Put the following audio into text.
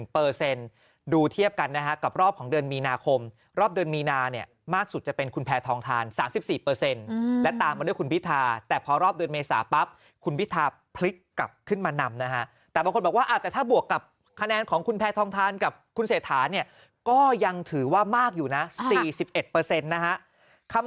ดูเทียบกันนะฮะกับรอบของเดือนมีนาคมรอบเดือนมีนาเนี่ยมากสุดจะเป็นคุณแพทองทาน๓๔และตามมาด้วยคุณพิธาแต่พอรอบเดือนเมษาปั๊บคุณพิธาพลิกกลับขึ้นมานำนะฮะแต่บางคนบอกว่าแต่ถ้าบวกกับคะแนนของคุณแพทองทานกับคุณเศรษฐาเนี่ยก็ยังถือว่ามากอยู่นะ๔๑นะฮะคำ